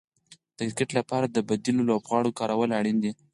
د کرکټ لپاره د بديلو لوبغاړو کارول اړين دي.